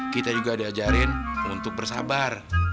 kita juga diajarin untuk bersabar